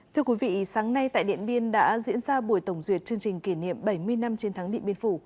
thưa quý vị sáng nay tại điện biên đã diễn ra buổi tổng duyệt chương trình kỷ niệm bảy mươi năm chiến thắng điện biên phủ